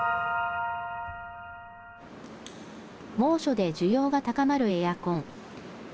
猛暑で需要が高まるエアコン。